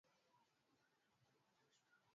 Hayo ni matukio yaliyotokea akiwa waziri wa ulinzi